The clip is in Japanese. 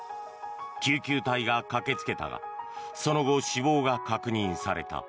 救急隊が駆けつけたがその後、死亡が確認された。